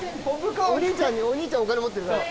お兄ちゃんにお兄ちゃんお金持ってるから。